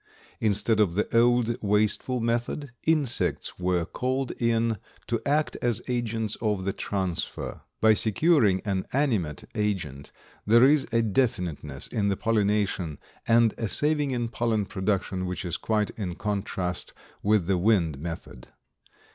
Instead of the old wasteful method, insects were called in to act as agents of the transfer. By securing an animate agent there is a definiteness in the pollination and a saving in pollen production which is quite in contrast with the wind method.